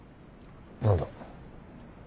何だ。